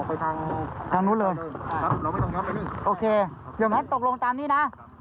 เราไม่ต้องย้ำไปนี่โอเคเดี๋ยวมันตกลงตามนี้น่ะครับ